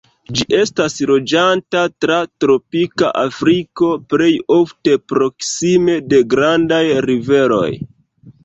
Ĝi estas loĝanta tra tropika Afriko, plej ofte proksime de grandaj riveroj.